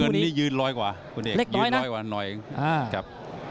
เงินนี่ยืนร้อยกว่าคุณเอกยืนน้อยกว่าหน่อยครับ